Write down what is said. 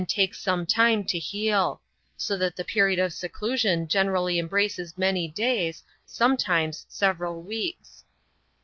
takes some time to heal; so that the period of seclusion generally embraces manj days, sometimes several weeks.